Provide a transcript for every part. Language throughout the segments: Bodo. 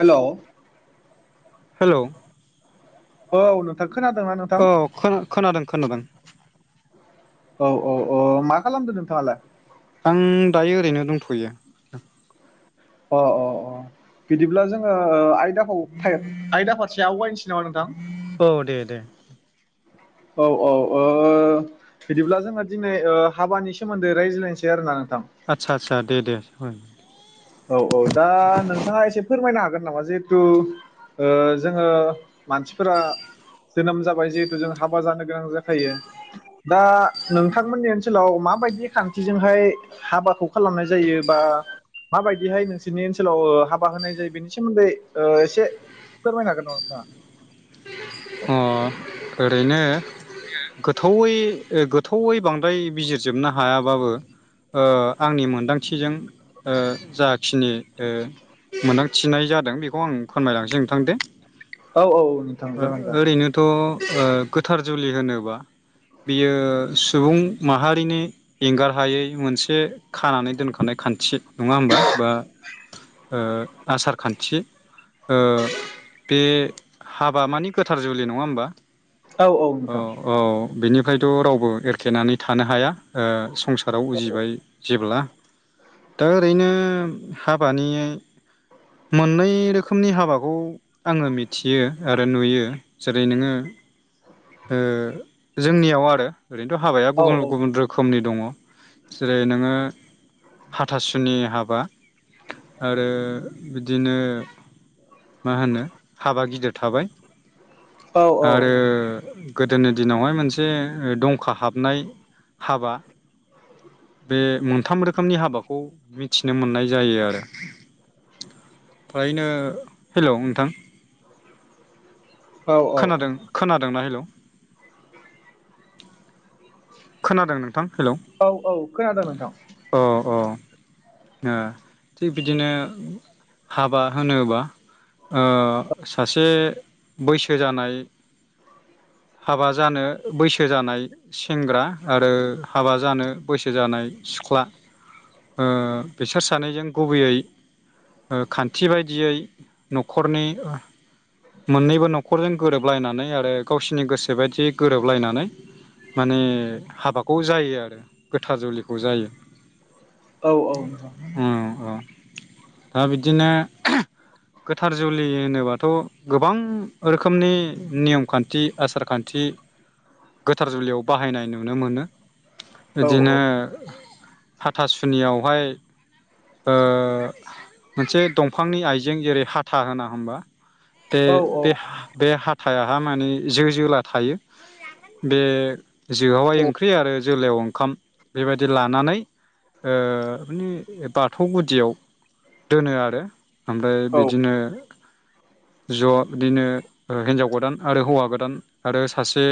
हेल'। हेल'। औ नोंथां। खोनादोंना नोंथां औ खोना-खोनादों खोनादों। औ औ औ मा खालामदो नोंथाङालाय? आं दायो ओरैनो दंथ'यो। अ अ अ बिदिब्ला जोङो आयदाखौ आयदा फारसे आवगायनोसै नामा नोंथां? औ दे दे। औ औ ओ बिदिब्ला जोङो दिनै हाबानि सोमोन्दै रायज्लायनोसै आरोना। नोंथां आदसा आदसा दे दे। औ औ दा नोंथाङा एसे फोरमायनो हागोन नामा जिहेथु ओ जोङो मानसिफोरा जोनोम जाबाय जिहेथु जों हाबा जानो गोनां जाखायो दा नोंथांमोननि ओनसोलाव माबायदि खान्थिजोंहाय हाबाखौ खालामनाय जायो, बा माबायदिहाय नोंसोरनि ओनसोलाव हाबा होनाय जायो बेनि सोमोन्दै एसे फोरमायनो हागोन नामा अ नोंथाङा? ओरैनो गोथौैयै थौयै बांद्राय बिजिरजोबनो हायाबाबो ओ आंनि मोनदांथिजों ओ जाखिनि ओ मोनदांथिनाय जादों बेखौ आं फोरमायलांसै नोंथां दे औ औ औ नोंथां जागोन जागोन। ओरैनोथ' ओ गोथार जुलि होनोबा बियो सुबुं माहारिनि एंगार हायै मोनसे खानानै दोनखानाय खान्थि नङा होमबा बा आसार ओ खान्थि। ओ बे हाबा माने गोथार जुलि नङा होमबा? औ औ। बेनिफ्रायथ' रावबो एरखेनानै थानो हाया ओ संसार राव उजिबाय जेब्ला दा ओरैनो हाबानि मोननै रो रोखोमनि हाबाखौ आङो मिथियो आरो नुयो। जेरै नोङो ओं। जोंनियाव आरो। ओरैनोथ' हाबाया औ गुबुन गुबुन रोखोमनि दङ जेरै नोङो हाथासुनि हाबा आरो बिदिनो। मा होनो हाबा गिदिर थाबाय। औ औ आरो गोदोनि दिनावहाय मोनसे दंखा हाबनाय हाबा बे मोनथाम रोखोमनि हाबाखौ मिथिनो मोननाय जायो आरो फ्रायनो हेल' नोंथां खोनादों खोनादोंना? हेलौ खोनादों नोंथां हेलौ औ औ खोनादों नोंथां अ अ ओ थिग बिदिनो हाबा होनोबा ओ सासे बैसो जानाय हाबा जानो बैसो जानाय सेंग्रा आरो हाबा जानो बैसो जानाय सिख्ला ओ खान न्थि बायदियै न'खरनि मोननैबो न'खरजों गोरोबलायनानै आरो गावसिरनि गोसो बायदि गोरोबलायनानै माने हाबाखौ जायो आरो गोथार जुलिखौ जायो। औ औ उम औ दा बिदिनो गोथार जुलि होनोबाथ' गोबां रोखोमनि नियम खान्थि आसार खान्थि गोथार जुलियाव बाहायनाय नुनो मोनो औ बिदिनो हाथासुनियाव बेवहाय ओ मोनसे दंफांनि आइजें जेरै हाथा होना होबा बे औ औ बे हा बे हा थायाहा माने जो जोला थायो बे जोवाहाय ओंख्रि आरो जोलायाव ओंखाम बेबायदि लानानै ओ [unintelligible] बाथौ गुदियाव दोनो आरो ओमफ्राय बिदिनो ज' बिदिनो हिन्जाव गोदान आरो हौवा गोदान आरो सासे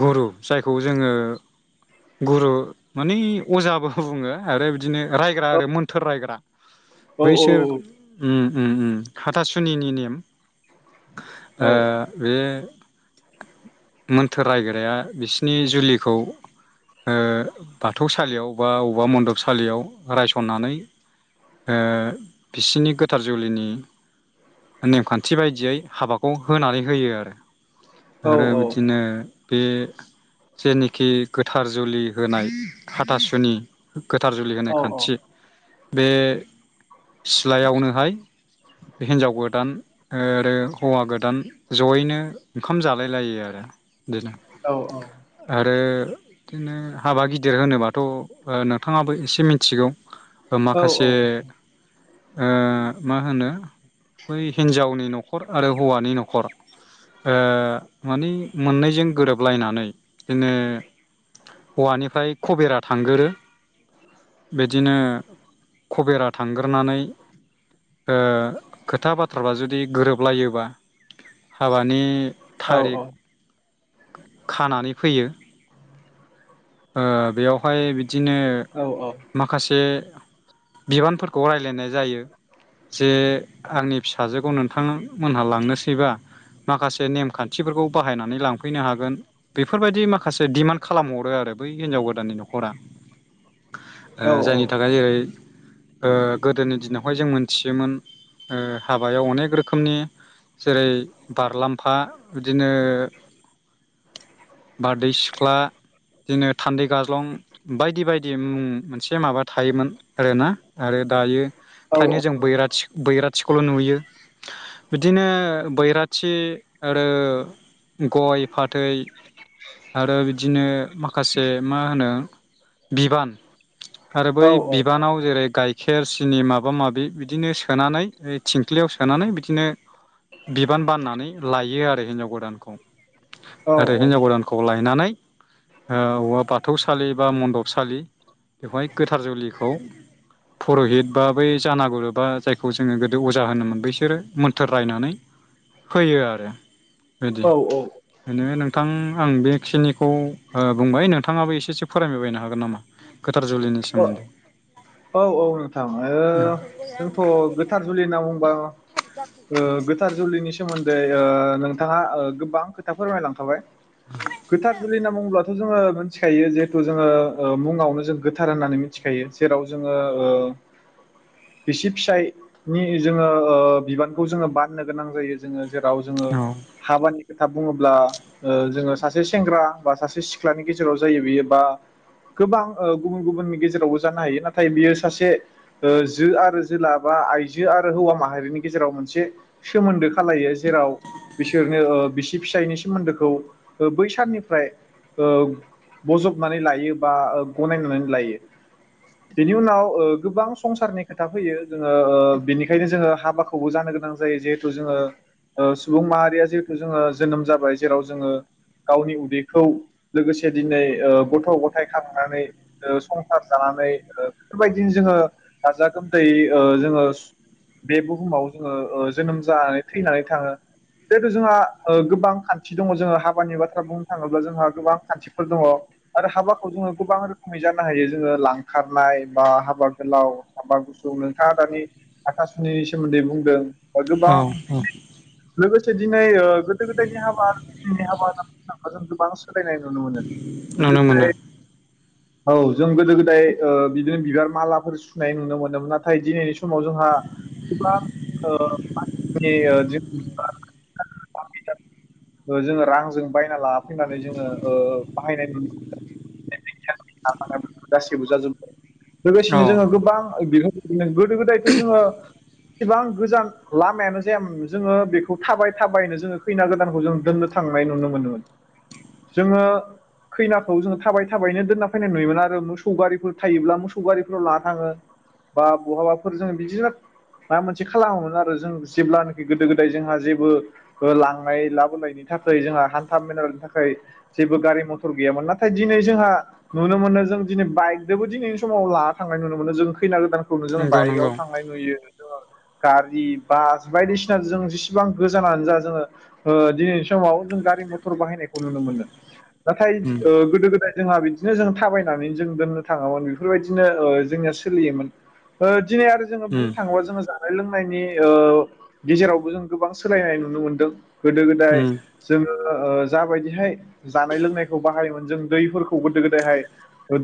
गुरु जायखौ जोङो गुरु माने अजाबो बुङो आरो बिदिनो रायग्रा आरो मोन्थोर रायग्रा औ बैसोर ओम ओम ओम हाथासुनिनि नेम ओ बे मोन्थोर रायग्राया बिसिनि जुलिखौ ओ बाथौसालियाव बा वबबा मन्दबसालियाव रायसननानै ओ बिसिनि गोथार जुलिनि नेम खान्थि बायदियै हाबाखौ होनानै होयो आरो। आरो बिदिनो बे जे-जेनोखि गोथार जुलि होनाय हाथासु नि गोथार जुलि होनाय खान्थि बे सिलायावनो हाय हिन्जाव गोदान आरो हौवा गोदान जयैनो ओंखाम जालाय लायो आरो। बिदिनो आरो बिदिनो हाबा गिदिर होनोबाथ' ओ नोंथांङाबो एसे मिथिगौ ओ माखासे ओ मा होनो बै हिन्जावनि न'खर आरो हौवानि न'खर ओ माने मोननैजों गोरोबलायनानै इनो हौवानिफ्राय खबेरा थांगोरो बिदिनो खबेरा थांग्रोनानै ओ खोथा बाथ्राफ्रा जुदि गोरोबलायोबा हाबानि औ थारिख औ खानानै फैयो। ओ बेयावहाय बिदिनो माखासे बिबानफोरखौ रायलायनाय जायो जे आंनि फिसाजोखौ नोंथांमोनहा लांनोसैबा माखासे नेम खान्थिफोरखौ बाहायनानै लाफैनो हागोन बेफोरबादि माखासे दिमान्द खालामहरो आरो। बै हिनजाव गोदाननि न'खरा ओ जायनि थाखाय यै ओ गोदोनि दिनावहाय जों मोनथियोमोन ओ हाबायाव अनेक रोखोमनि जेरै बारलामफा बिदिनो बारदै सिख्ला बिदिनो थान्दै गाज्लं बायदि बायदि मुं मोनसे माबा थायोमोन आरोना आरो दायो खायनो जों बैराथि बैराथिखौल' नुयो बिदिनो बैराथि आरो गय फाथै आरो बिदिनो माख खासे मा होनो बिबान आरो औ बै औ बिबानाव जेरै-गाइखेर, सिनि माबा माबि बिदिनो सोनानै थिंख्लियाव सोनानै बिदिनो बिबान बाननानै लायो आरो हिनजाव गोदानखौ। औ आरो हिनजाव गोदानखौ लायनानै ओ औवा बाथौसालि बा मन्दपसालि बेवहाय गोथार जुलिखौ पुर'हित बा बै जानागुरुबा जायखौ जोंङो गोदो अजा होनोमोन बैसोरो मोन्थोर रायनानै होयो आरो बिदि। बिनो नोंथां आं बेखिनिखौ ओ बुंबाय नोंथांङाबो एसे-से फोरमायबायनो हागोन नामा गोथार जुलिनि सोमोन्दै? अलोथां औ ओ जोंथ' गोथार जुलि होनना बुंबा ओ गोथार जुलिनि सोमोन्दै ओ नोंथांङा ओ गोबां खोथा फोरमायलांखाबाय। गोथार जुलि होनना बुंङोब्लाथ' जोंङो मोनथिखायो जिहेथु जोंङो ओ मुंङावनो जों गोथार होननानै मिथिखायो जेराव जोंङो ओ बिसि फिसायनि जोंङो ओ बिबानखौ जोंङो बाननो गोनां जायो जोंङो जेराव जोंङो औ हाबानि खोथा बुंङोब्ला ओ जोंङो सासे सेंग्रा बा सासे सिख्लानि गेजेराव जायो बियो बा गोबां ओ गुबुन-गुबुननि गेजेरावबो जानो हायो नाथाय बियो सासे ओ जो आरो जोला बा आइजो आरो हौवा माहारिनि गेजेराव मोनसे सोमोन्दो खालायो जेराव बिसोरनि ओ बिसि फिसायनि सोमोन्दोखौ ओ बै साननिफ्राय ओ बजबनानै लायो बा गनायनानै लायो। बेनि उनाव ओ गोबां संसारनि खोथा फैयो जोंङो ओ बेनिखायनो जोंङो हाबाखौबो जानो गोनां जायो जिहेथु जोंङो ओ सुबुं माहारिया जिहेथु जोंङो जोनोम जाबाय जेराव जोंङो गावनि उदैखौ लोगोसे दिनै ओ गथ' गथाय खांनानै ओ संसार जानानै ओ बेफोरबायदिनो जोंङो गाजा गोमदायै ओ जोंङो स बे बुहुमाव जोंङो ओ जोनोम जानानै थैनानै थांङो। जिहेथु जोंहा ओ गोबां खान्थि दंङ जोंङो हाबानि बाथ्रा बुंनो थांङोब्ला जोंहा गोबां खान्थिफोर दंङ। आरो हाबाखौ जोंङो गोबां रोखोमै जानो हायो जोंङो लांखारनाय बा हाब बा गोलाव हाबा गुसुं नोंथांङा दानि हाथासुनिनि सोमोन्दै बुंदों। औ औ [unintelligible] लोगोसे दिनै ओ गोदो गोदायनि हाबा [unintelligible] जों गोबां सोलायनाय नुनो मोनो। नुनो मोना। ओमफ्राय औ जों गोदो गोदाय ओ बिदिनो बिबार मालाफोर सुनाय नुनो मोनदोंमोन नाथाय दिनैनि समाव जोंहा गोबां ओ [unintelligible] जोंङो रांजों बायना लाना फैनानै जोंङो ओ बाहायनाय नुनो [unintelligible] गासैबो जाजोबबाय। औ लोगोसेनो जोंङो गोबां [unintelligible] गोदो गोदायथ' जोंङो एसेबां गोजान लामायानो जायामोन जोंङो बेखौ थाबाय थाबायनो जोंङो खैना गोदानखौ जों दोननो थांनाय नुनो मोनोमोन। जोंङो खैनाखौ जोंङो थाबाय थाबायैनो दोनना फैनाय नुयोमोन आरो मोसौ गारिफोर थायोब्ला मोस सौ गारिफ्राव लाना थांङो बा बहाबाफोर जोंङो बिदिनो माबा मोनसे खालामोमोन आरो जों जेब्लानोखि गोदो गोदाय जोंहा जेबो ओ लांनाय लाबोलायनि थाखाय जोंहा हान्था मेलानि थाखाय जेबो गारि मथर गैयामोन नाथाय दिनै जोंहा नुनो मोनो जों दिनै बाइकजोंबो दिनै समाव लाना थांनाय नुनो मोनो जों खैना गोदान खौनो जों नंगौ बाइकआव नंगौ थांनाय नुयो। गारि बास बायदिसिना जों जेसिबां गोजानानो जा जोंङो ओ दिनैनि समाव जों गारि मथर बाहायनायखौ नुनो मोनो नाथाय उम ओ गोदो गोदाय जोंहा बिदिनो जों थाबायनानै जों दोननो थांङोमोन बे फोरबायदिनो ओ जोंनिया सोलियोमोन ओ दिनै आरो जोङो उम बुंनो थाङोबा जोङो जा जानाय लोंनायनि ओ गेजेरावबो जों गोबां सोलायनाय नुनो मोनदों गोदो गोदाय उम जोङो ओ जाबायदिहाय जानाय लोंनायखौ बाहायोमोन जों दैफोरखौ गोदो गोदायहाय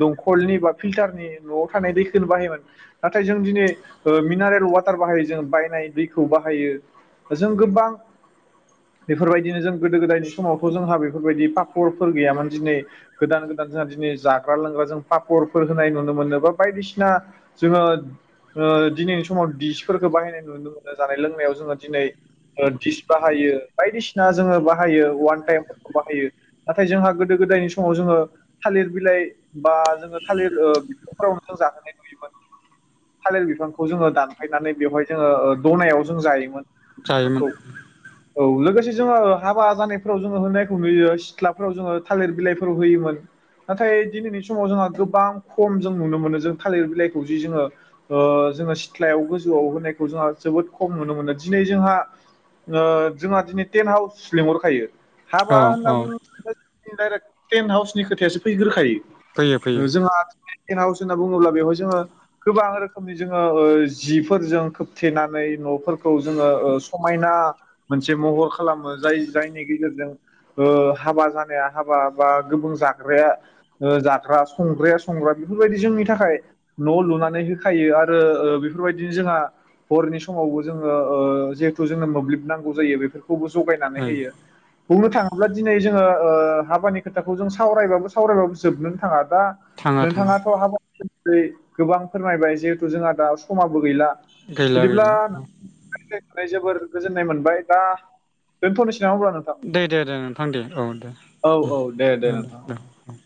दंखलनि बा। फिल्टारनि न'आव थानाय दैखोनो बाहायोमोन नाथाय जों दिनै ओ मिनारेल वाटार बाहायो जों बायनाय दैखौ बाहायो जों गोबां बेफोरबायदिनो जों गोदो गोदायनि समावथ' जोंहा बेफोरबायदि पापरफोर गैयामोन दिनै गोदान गोदान जोंहा दिनै जाग्रा लोंग्रा जों पापर। फोर होनाय नुनो मोनो बा बायदिसिना जोङो ओ दिनैनि समाव दिसफोरखो बाहायनाय नुनो मोनो जानाय लोंनायाव जोङो दिनै ओ डिस बाहायो बायदिसिना जोङो बाहायो अवान टाइमफोरखो बाहायो नाथाय जोंहा गोदो गोदायनि समाव जोङो थालिर बिलाइ बा जोङो। थालिर ओ बिफांफोरावनो जाहोनाय नुयोमोन थालिर बिफांखौ जोङो दानफायनानै बेवहाय जोङो ओ दनायाव जों जायोमोन। जायोमोन। ओंखामफोरखौ औ लोगोसे जोङो हाबा जानायफोराव जोङो होनायखौ नुयो सिथ्लाफोराव जोङो थालिर बिलाइफोराव होयोमोन नाथाय दिनैनि समाव जोंहा गोबां खम जों नुनो मोनो जों थालिर बिलाइखौ जि जोङो जोङो सिथ्लायाव गोजौआव होनायखौ जोंहा जोबोद खम नुनो मोनो दिनै जोंहा जोंहा दिनै टेन्ट हाउस लेंंहरखायो हा औ बार होन औ बुं ज दाइरक्ट टेन्ट हाउसनि खोथायासो फैगोखायो फैयो फैयो जोंहा दिनै टेन्ट हावस। होनना बुङोब्ला बेवहाय जोङो गोबां रोखोमनि जोङो जिफोरजों खोबथेनानै न'फोरखौ जोङो समायना मोनसे महर खालामो जाय जायनि गेजेरजों हाबा जानाया हाबा बा गुबब जाग्राया जाग्रा संग्राया संग्रा बेफोरबायदि जोंनि थाखाय न' लुनानै होखायो आरो बेफोरबायदिनो जोंहा हरनि समावबो जोङो जिहेथु जोंनो मोब्लिब नांगौ जायो बेफोर खौबो जगायनानै ओं होयो बुंनो थाङोब्ला दिनै जोङो हाबानि खोथाखौ जों सावरायबाबो सावरायबाबो जोबनोनो थाङा दा थाङा थाङा नोंथाङाथ' हाबा नि गोबां फोरमायबाय जिहेथु जोंहा दा समाबो गैला गैला बिदिब्ला गैला औ जोबोर गोजोननाय मोनबाय दा दोनथ'निसै दे दे दे नोंथां दे औ दे औ औ औ दे नोंथां दे औ